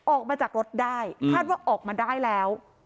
ออกมาจากรถได้คาดว่าออกมาได้แล้ว